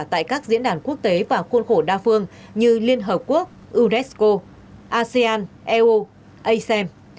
tại các diễn đàn quốc tế và khuôn khổ đa phương như liên hợp quốc unesco asean eu asem